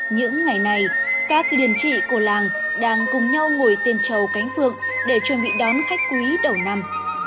những ngày này các liền trị của làng đang cùng nhau ngồi tên trầu cánh phương để chuẩn bị đón khách quý đầu năm